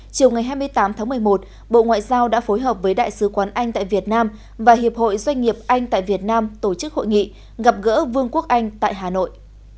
chiều ngày hai mươi tám tháng một mươi một bộ ngoại giao đã phối hợp với đại sứ quán anh tại việt nam và hiệp hội doanh nghiệp anh tại việt nam tổ chức hội nghị gặp gỡ vương quốc anh tại hà nội